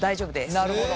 なるほど。